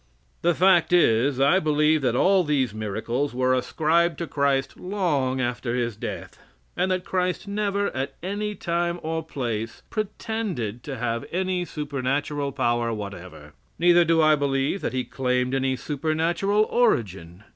The fact is, I believe that all these miracles were ascribed to Christ long after His death, and that Christ never, at any time or place, pretended to have any supernatural power whatever. Neither do I believe that He claimed any supernatural origin.